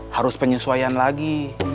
harus penyesuaian lagi